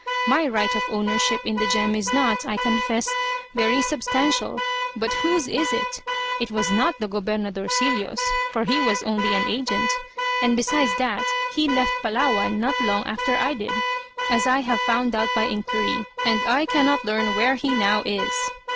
My right of ownership in the gem is not, I confess, very substantial; but whose is it? It was not the "Gobernadorcillo's," for he was only an agent; and besides that he left Palawan not long after I did, as I have found out by inquiry, and I cannot learn where he now is.